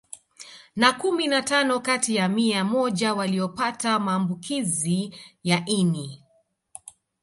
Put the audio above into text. Na kumi na tano kati ya mia moja waliopata maambukizi ya ini